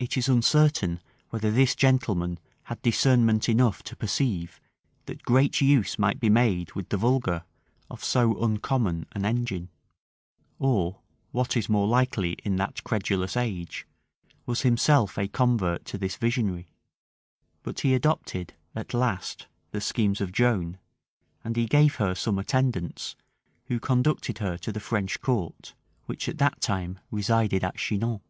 It is uncertain whether this gentleman had discernment enough to perceive, that great use might be made with the vulgar of so uncommon an engine; or, what is more likely in that credulous age, was himself a convert to this visionary; but he adopted at last the schemes of Joan; and he gave her some attendants, who conducted her to the French court, which at that time resided at Chinon.